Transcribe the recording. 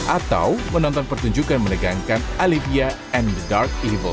atau menonton pertunjukan menegangkan olivia and the dark eable